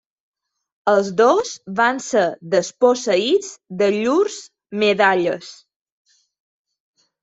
Els dos van ser desposseïts de llurs medalles.